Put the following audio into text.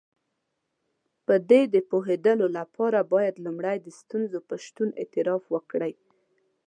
په دې د پوهېدو لپاره بايد لومړی د ستونزې په شتون اعتراف وکړئ.